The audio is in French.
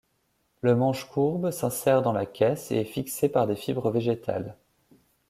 Le manche courbe s'insère dans la caisse et est fixé par des fibres végétales.